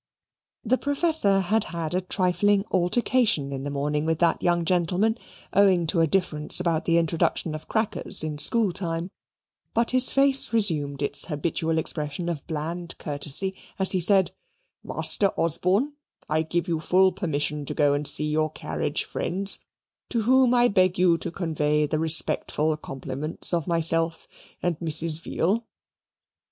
The professor had had a trifling altercation in the morning with that young gentleman, owing to a difference about the introduction of crackers in school time; but his face resumed its habitual expression of bland courtesy as he said, "Master Osborne, I give you full permission to go and see your carriage friends to whom I beg you to convey the respectful compliments of myself and Mrs. Veal."